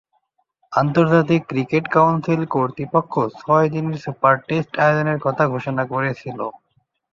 আন্তর্জাতিক cricket council কর্তৃপক্ষ ছয়-দিনের সুপার টেস্ট আয়োজনের কথা ঘোষণা করেছিল।